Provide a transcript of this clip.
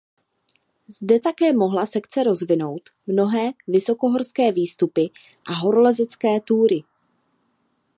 Zde také mohla sekce rozvinout mnohé vysokohorské výstupy a horolezecké túry.